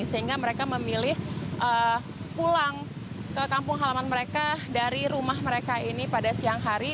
sehingga mereka memilih pulang ke kampung halaman mereka dari rumah mereka ini pada siang hari